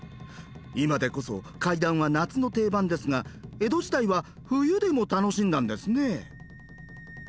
今でこそ怪談は夏の定番ですが江戸時代は冬でも楽しんだんですね。